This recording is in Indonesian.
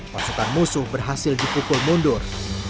pasukan musuh berhasil dipukul mundur